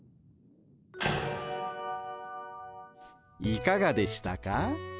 いかがでしたか？